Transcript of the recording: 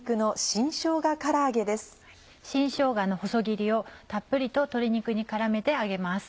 新しょうがの細切りをたっぷりと鶏肉に絡めて揚げます。